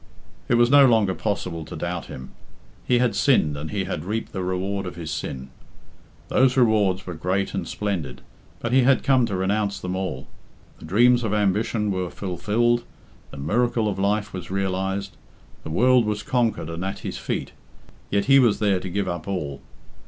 It was no longer possible to doubt him. He had sinned, and he had reaped the reward of his sin. Those rewards were great and splendid, but he had come to renounce them all. The dreams of ambition were fulfilled, the miracle of life was realised, the world was conquered and at his feet, yet he was there to give up all.